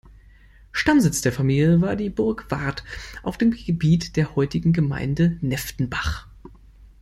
Stammsitz der Familie war die Burg Wart auf dem Gebiet der heutigen Gemeinde Neftenbach.